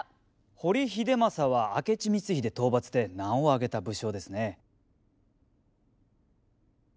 堀秀政は明智光秀討伐で名を上げた武将ですね。